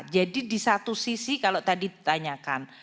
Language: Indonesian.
jadi di satu sisi kalau tadi ditanyakan